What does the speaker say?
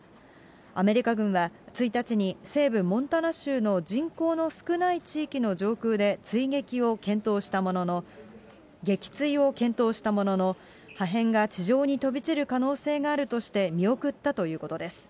アメリカ軍は１日に、西部モンタナ州の人口の少ない地域の上空で追撃を検討したものの、撃墜を検討したものの、破片が地上に飛び散る可能性があるとして、見送ったということです。